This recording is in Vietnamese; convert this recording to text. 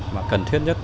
mà cần thiết nhất